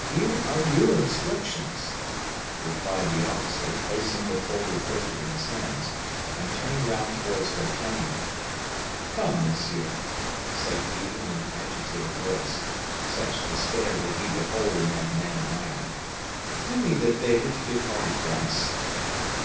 "Here are your instructions," replied the officer, placing the folded paper in his hands; and turning round towards D'Artagnan, "Come, monsieur," said he, in an agitated voice (such despair did he behold in that man of iron), "do me the favor to depart at once."